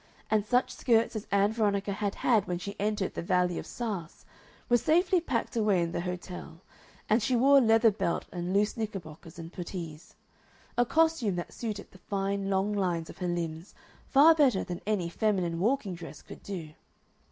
And such skirts as Ann Veronica had had when she entered the valley of Saas were safely packed away in the hotel, and she wore a leather belt and loose knickerbockers and puttees a costume that suited the fine, long lines of her limbs far better than any feminine walking dress could do.